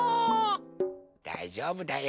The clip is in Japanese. だいじょうぶだよ。